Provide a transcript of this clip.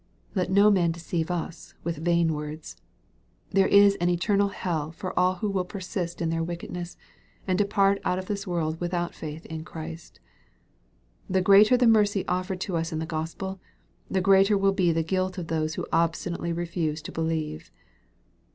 Let no man deceive us with vain words. There is an eternal hell for all who will persist in their wicked ness, and depart out of this world without faith in Christ. The greater the mercy offered to us in the Gospel, the greater will be the guilt of those who obstinately refuse to believe.